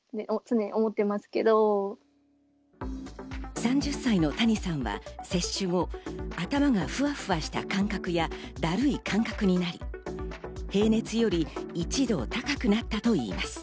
３０歳の谷さんは接種後、頭がふわふわした感覚やだるい感覚になり、平熱より１度高くなったといいます。